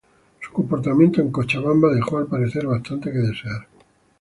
Su comportamiento en Cochabamba dejó al parecer bastante que desear.